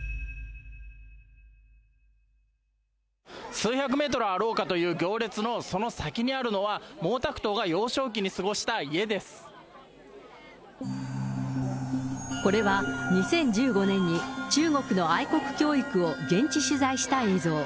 数百メートルはあろうかという行列のその先にあるのは、これは、２０１５年に、中国の愛国教育を現地取材した映像。